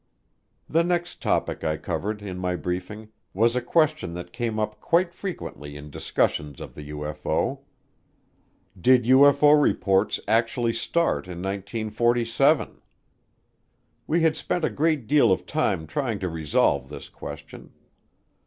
The next topic I covered in my briefing was a question that came up quite frequently in discussions of the UFO: Did UFO reports actually start in 1947? We had spent a great deal of time trying to resolve this question.